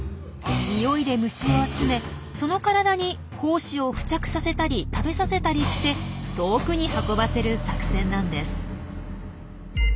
においで虫を集めその体に胞子を付着させたり食べさせたりして遠くに運ばせる作戦なんです。